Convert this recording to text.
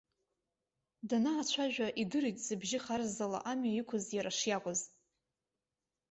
Данаацәажәа, идырит зыбжьы харззала амҩа иқәыз иара шиакәыз.